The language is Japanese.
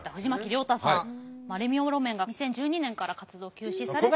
レミオロメンが２０１２年から活動休止されていて。